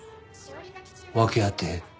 訳あって栞